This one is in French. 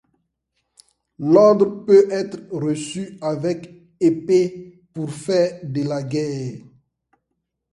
L'Ordre peut être reçu avec épées pour faits de guerre.